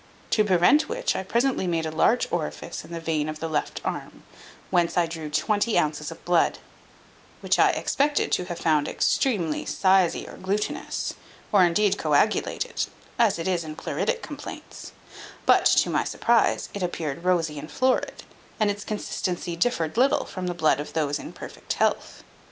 To prevent which, I presently made a large orifice in the vein of the left arm, whence I drew twenty ounces of blood; which I expected to have found extremely sizy and glutinous, or indeed coagulated, as it is in pleuretic complaints; but, to my surprize, it appeared rosy and florid, and its consistency differed little from the blood of those in perfect health.